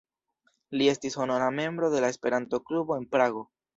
Li estis honora membro de la Esperanto-klubo en Prago.